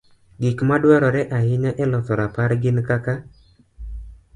Gik ma dwarore ahinya e loso rapar gin kaka: